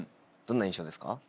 どんな印象ですか？